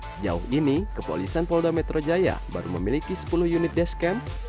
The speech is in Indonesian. sejauh ini kepolisian polda metro jaya baru memiliki sepuluh unit descam